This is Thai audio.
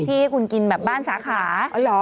ที่คุณกินแบบบ้านสาขา